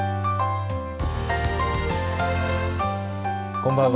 こんばんは。